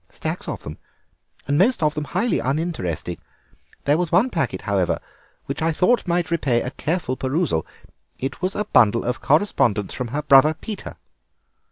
"Stacks of them, and most of them highly uninteresting. There was one packet, however, which I thought might repay a careful perusal. It was a bundle of correspondence from her brother Peter."